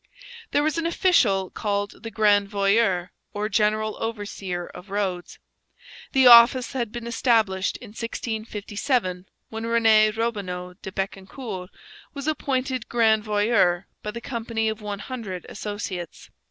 There was an official called the grand voyer, or general overseer of roads. The office had been established in 1657, when Rene Robineau de Becancourt was appointed grand voyer by the Company of One Hundred Associates.